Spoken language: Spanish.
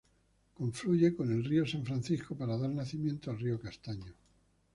Confluye con el río San Francisco para dar nacimiento al río Castaño.